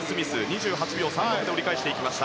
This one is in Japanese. ２８秒３６で折り返していきました。